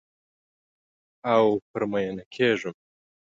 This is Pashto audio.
او پر میینه کیږم